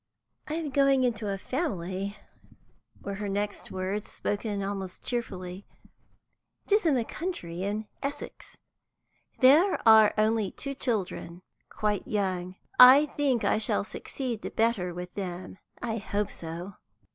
"I am going into a family," were her next words, spoken almost cheerfully. "It is in the country, in Essex. There are only two children, quite young. I think I shall succeed better with them; I hope so."